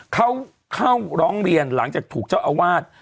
เขาเข้าร้องเรียนหลังจากถูกเจ้าอาวาส